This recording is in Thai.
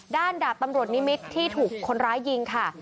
ดาบตำรวจนิมิตรที่ถูกคนร้ายยิงค่ะ